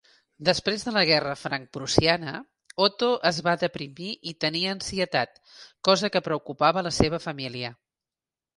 Després de la guerra franc-prussiana, Otto es va deprimir i tenia ansietat, cosa què preocupava la seva família.